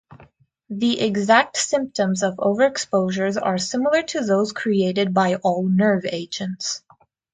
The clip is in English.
The exact symptoms of overexposure are similar to those created by all nerve agents.